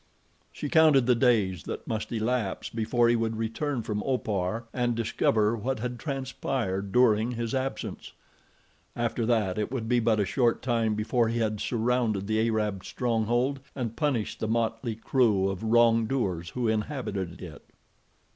She counted the days that must elapse before he would return from Opar and discover what had transpired during his absence. After that it would be but a short time before he had surrounded the Arab stronghold and punished the motley crew of wrongdoers who inhabited it.